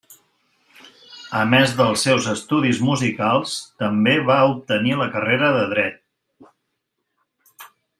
A més dels seus estudis musicals també va obtenir la carrera de Dret.